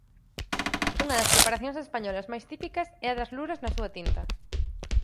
Unha das preparacións españolas máis típicas é das luras na súa tinta.